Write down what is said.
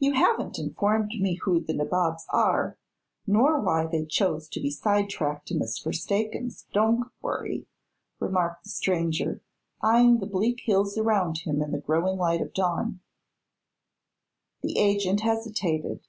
"You haven't informed me who the nabobs are, nor why they choose to be sidetracked in this forsaken stone quarry," remarked the stranger, eyeing the bleak hills around him in the growing light of dawn. The agent hesitated.